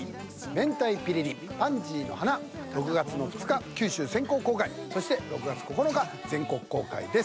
「めんたいぴりりパンジーの花」６月の２日九州先行公開そして６月９日全国公開です。